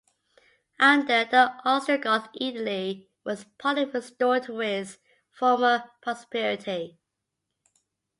Under the Ostrogoths Italy was partly restored to its former prosperity.